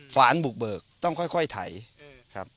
สารบุกเบิกต้องค่อยไถครับ